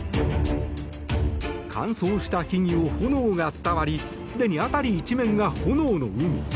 乾燥した木々を炎が伝わりすでに辺り一面が炎の海。